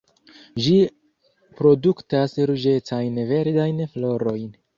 Ĝi produktas ruĝecajn verdajn florojn.